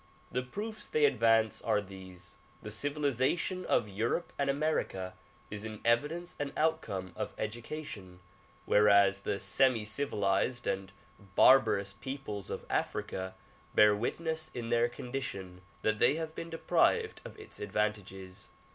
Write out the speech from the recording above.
The proofs they advance are these: The civilization of Europe and America is an evidence and outcome of education whereas the semi civilized and barbarous peoples of Africa bear witness in their condition that they have been deprived of its advantages.